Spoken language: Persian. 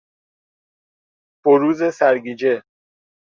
بروز سرگیجه